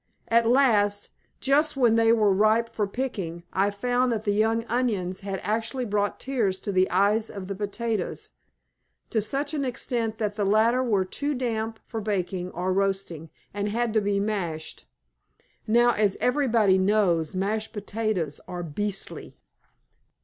At last, just when they were ripe for picking, I found that the young onions had actually brought tears to the eyes of the potatoes to such an extent that the latter were too damp for baking or roasting, and had to be mashed. Now, as everybody knows, mashed potatoes are beastly.